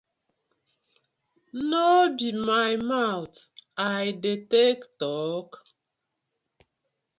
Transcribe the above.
No be my mouth I dey tak tok?